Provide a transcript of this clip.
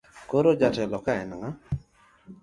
Koro jatelo ka en ng'a?